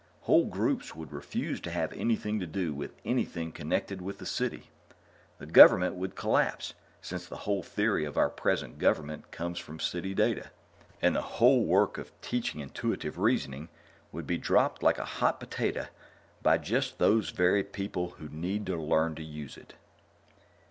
Whole groups would refuse to have anything to do with anything connected with the City. The Government would collapse, since the whole theory of our present government comes from City data. And the whole work of teaching intuitive reasoning would be dropped like a hot potato by just those very people who need to learn to use it.